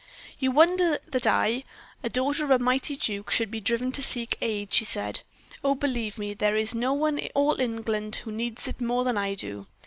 "You wonder that I, the daughter of a mighty duke, should be driven to seek aid," she said. "Oh! believe me, there is no one in all England who needs it more than I do.